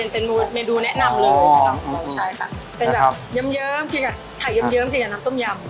เป็นแบบยำเยิ้มที่กับไข่ยำเยิ้มขึ้นกับน้ำต้มยำ